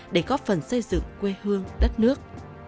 để góp phần xây dựng quê hương đất nước